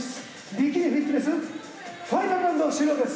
ビキニフィットネスファイナルラウンド終了です